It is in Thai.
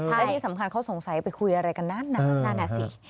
และที่สำคัญเขาสงสัยไปคุยอะไรกันนานนั่นน่ะสิ